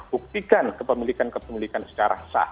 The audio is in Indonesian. buktikan kepemilikan kepemilikan secara sah